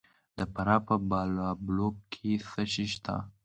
د فراه په بالابلوک کې څه شی شته؟